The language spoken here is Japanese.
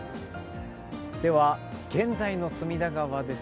では現在の隅田川です。